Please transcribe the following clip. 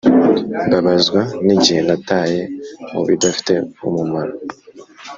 Mbabazwa nigihe nataye mubidafite umumaro